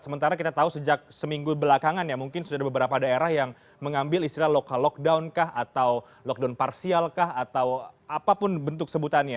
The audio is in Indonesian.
sementara kita tahu sejak seminggu belakangan ya mungkin sudah ada beberapa daerah yang mengambil istilah lokal lockdown kah atau lockdown parsial kah atau apapun bentuk sebutannya